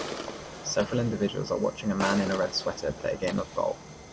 Several individuals are watching a man in a red sweater play a game of golf.